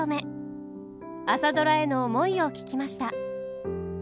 「朝ドラ」への思いを聞きました。